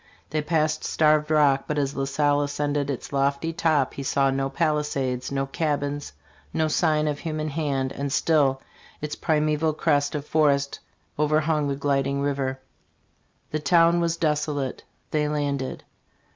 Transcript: '' They passed Starved Rock, but as La Salle ascended its lofty top he saw no palisades, no cabins, no sign of human hand, and still its primeval crest of forest overhung the gliding river, "f The town was desolate. They landed.